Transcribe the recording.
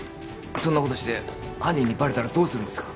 そんなことして犯人にバレたらどうするんですか？